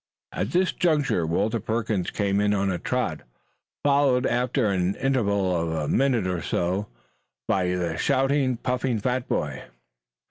At this juncture Walter Perkins came in on a trot, followed after an interval of a minute or so by the shouting, puffing fat boy.